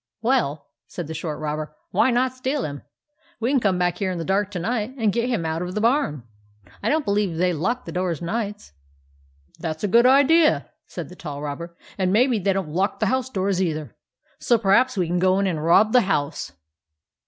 " Well," said the short robber, "why not steal him ? We can come here in the dark to night and get him out of the barn. I don't believe they lock the door nights." " That 's a good idea," said the tall robber ;" and maybe they don't lock the house doors either; so perhaps we can get in and rob the house."